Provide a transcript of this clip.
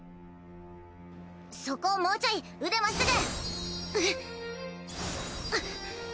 そこもうちょい腕まっすぐ！